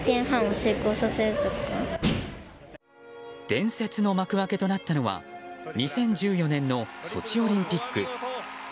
伝説の幕開けとなったのは２０１４年のソチオリンピック。